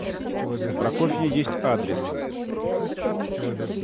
У Прокофья есть адрес.